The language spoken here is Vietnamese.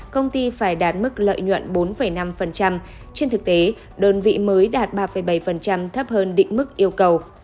công ty phải đạt mức lợi nhuận bốn năm trên thực tế đơn vị mới đạt ba bảy thấp hơn định mức yêu cầu